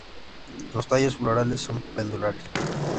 Los tallos florales son pendulares.